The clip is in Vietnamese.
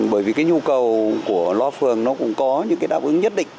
bởi vì cái nhu cầu của loa phường nó cũng có những cái đáp ứng nhất định